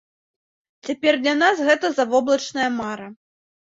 Цяпер для нас гэта завоблачная мара.